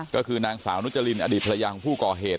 ก็คือนางสาวนุจรินอดีตภรรยาของผู้ก่อเหตุ